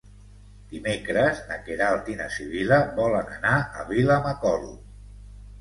Dimecres na Queralt i na Sibil·la volen anar a Vilamacolum.